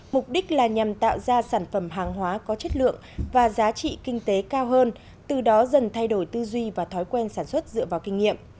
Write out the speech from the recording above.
mục đích là nhằm tạo ra sản phẩm hàng hóa có chất lượng và giá trị kinh tế cao hơn từ đó dần thay đổi tư duy và thói quen sản xuất dựa vào kinh nghiệm